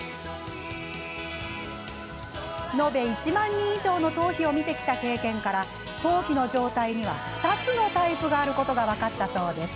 延べ１万人以上の頭皮を見てきた経験から頭皮の状態には２つのタイプがあることが分かったそうです。